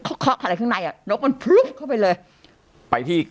เขาข็อกข็อกข้างในอ่ะนกมันพรุเป็นเลยไปที่